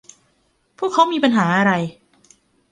พวกเค้ามีปัญหาอะไร